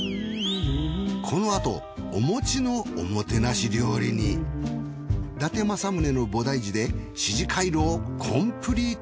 このあとお餅のおもてなし料理に伊達政宗の菩提寺で四寺廻廊コンプリート！